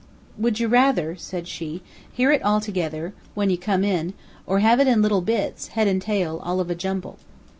"Would you rather," said she, "hear it all together, when you come in, or have it in little bits, head and tail, all of a jumble?"